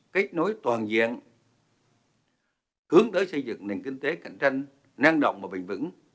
kết nối toàn diện hướng tới xây dựng nền kinh tế cạnh tranh năng động và bình vững